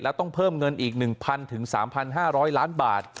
แล้วต้องเพิ่มเงินอีก๑๐๐๓๕๐๐ล้านบาท